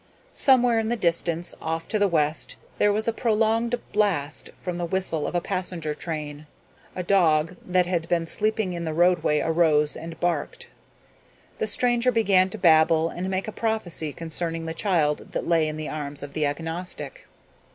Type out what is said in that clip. Somewhere in the distance, off to the west, there was a prolonged blast from the whistle of a passenger engine. A dog that had been sleeping in the roadway arose and barked. The stranger began to babble and made a prophecy concerning the child that lay in the arms of the agnostic.